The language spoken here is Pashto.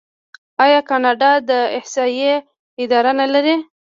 آیا کاناډا د احصایې اداره نلري؟